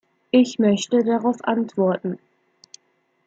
Ich möchte darauf antworten.